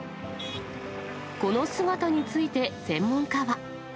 この姿について専門家は。